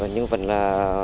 nhưng vẫn là